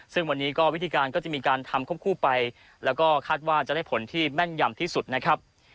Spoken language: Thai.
ซึ่งวันนี้ก็วิธีการก็จะมีการทำควบคู่ไปแล้วก็คาดว่าจะได้ผลที่แม่นยำที่สุดนะครับ